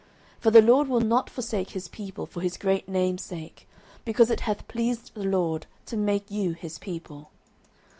09:012:022 For the LORD will not forsake his people for his great name's sake: because it hath pleased the LORD to make you his people.